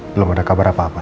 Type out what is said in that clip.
belum ada kabar apa apa